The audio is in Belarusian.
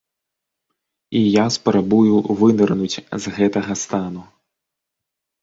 І я спрабую вынырнуць з гэтага стану.